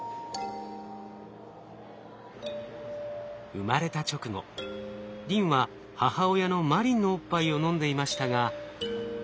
生まれた直後リンは母親のマリンのおっぱいを飲んでいましたが。